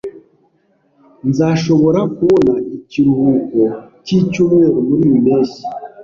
Nzashobora kubona ikiruhuko cyicyumweru muriyi mpeshyi